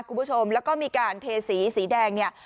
คุณผู้ชมแล้วก็มีการเทสีสีแดงเนี่ย